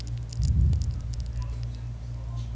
Բելը եղել է ընտանիքի ութերորդ՝ կրտսեր զավակը։